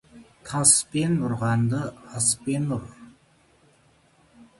Таспен ұрғанды аспен ұр.